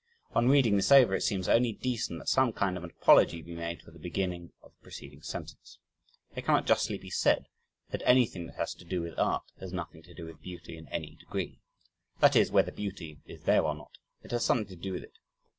On reading this over, it seems only decent that some kind of an apology be made for the beginning of the preceding sentence. It cannot justly be said that anything that has to do with art has nothing to do with beauty in any degree, that is, whether beauty is there or not, it has something to do with it.